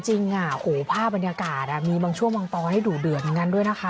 ภาพบรรยากาศมีบางช่วงบางตอนให้ดูเดือดเหมือนกันด้วยนะคะ